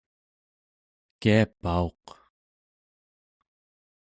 kiapauq